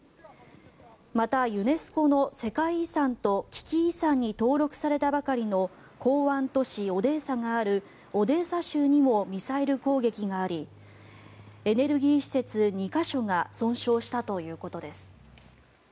また、ユネスコの世界遺産と危機遺産に登録されたばかりの港湾都市オデーサがあるオデーサ州にもミサイル攻撃がありエネルギー施設２か所が損傷したということです。